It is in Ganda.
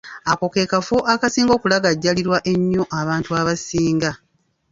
Ako ke kafo akasinga okulagajjalibwa ennyo abantu abasinga.